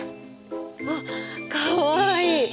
わっかわいい！